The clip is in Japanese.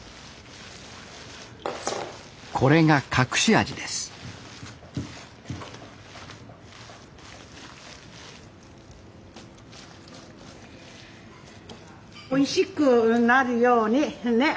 これが隠し味ですおいしくなるようにね。